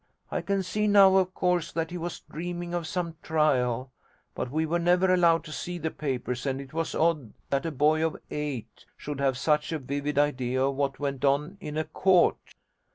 I can see now, of course, that he was dreaming of some trial: but we were never allowed to see the papers, and it was odd that a boy of eight should have such a vivid idea of what went on in a court.